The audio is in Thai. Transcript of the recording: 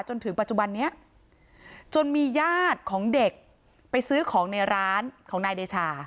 จนถึงปัจจุบันนี้จนมีญาติของเด็กไปซื้อของในร้านของนายเดชา